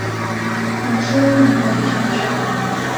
粉丝名为甜酒。